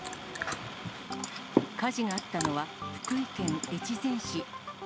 火事があったのは、福井県越前市。